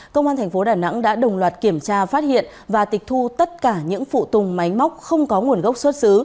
công an thành phố đà nẵng đã đồng loạt kiểm tra phát hiện và tịch thu tất cả những phụ tùng máy móc không có nguồn gốc xuất xứ